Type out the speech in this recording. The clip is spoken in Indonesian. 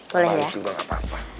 balik juga gak apa apa